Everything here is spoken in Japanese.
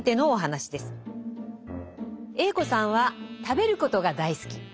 Ａ子さんは食べることが大好き。